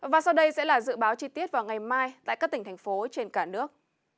và sau đây sẽ là dự báo chi tiết vào ngày mai tại các tỉnh thành phố trên cả nước